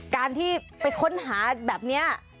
การที่ไปค้นหาแบบนี้